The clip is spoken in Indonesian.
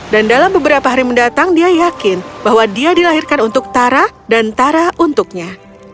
dan dalam beberapa hari mendatang dia yakin bahwa dia dilahirkan untuk tara dan tara untuknya